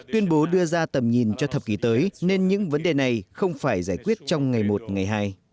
tuyên bố đưa ra tầm nhìn cho thập kỷ tới nên những vấn đề này không phải giải quyết trong ngày một ngày hai